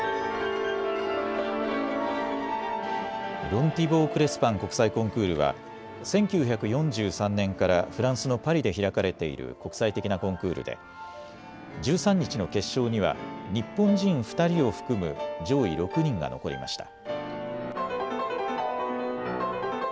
ロン・ティボー・クレスパン国際コンクールは１９４３年からフランスのパリで開かれている国際的なコンクールで１３日の決勝には日本人２人を含む上位６人が残りました。